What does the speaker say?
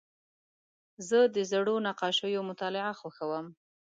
زه د زړو نقاشیو مطالعه خوښوم.